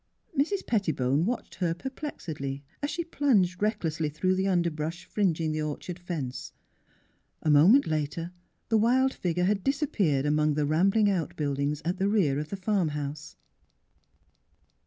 Mrs. Pettibone watched her perplexedly as she plunged recklessly through the underbrush fringing the orchard fence. A mo ment later the wild figure had disappeared among the rambling outbuildings at the rear of the farm house.